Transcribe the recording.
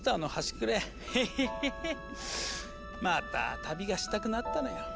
また旅がしたくなったのよ。